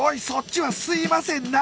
そっちは「すいません」